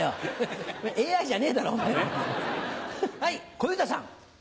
小遊三さん。